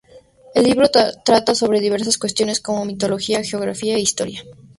El libro trata sobre diversas cuestiones, como mitología, geografía e historia.